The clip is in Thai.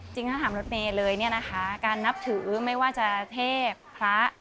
จริงถ้าถามรถเมย์เลยเนี่ยนะคะการนับถือไม่ว่าจะเทพพระ